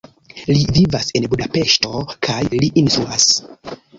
Li vivas en Budapeŝto kaj li instruas.